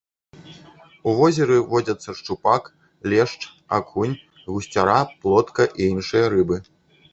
У возеры водзяцца шчупак, лешч, акунь, гусцяра, плотка і іншыя рыбы.